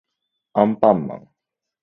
アンパンマン